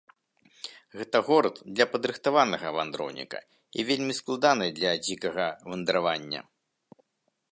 Гэта горад для падрыхтаванага вандроўніка і вельмі складаны для дзікага вандравання.